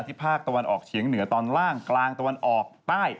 ภาคตะวันออกเฉียงเหนือตอนล่างกลางตะวันออกใต้